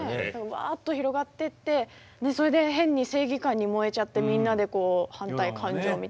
わっと広がってってそれで変に正義感に燃えちゃってみんなで反対感情みたいになっちゃう。